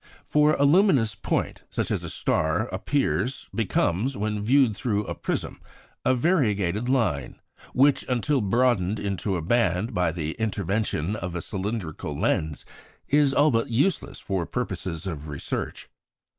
For a luminous point, such as a star appears, becomes, when viewed through a prism, a variegated line, which, until broadened into a band by the intervention of a cylindrical lens, is all but useless for purposes of research.